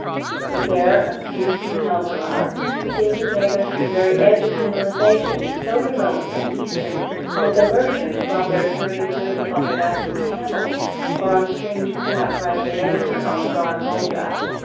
The fair of Nijni Novgorod seemed to take us to the very edge of civilization so remote and eastern that the merchants brought their curious goods upon the backs of camels or on strange craft riding at anchor on the broad Volga.